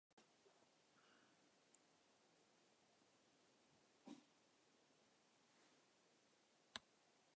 The musical videos include "Magic", "Cruisin'", "Light", "Tonight", and "Rio".